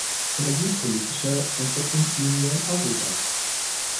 Energiepolitische Entwicklungslinien Europas.